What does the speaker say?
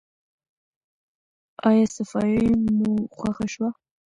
ایا صفايي مو خوښه شوه؟